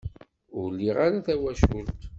Ur liɣ ara tawacult.